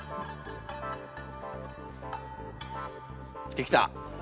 できた。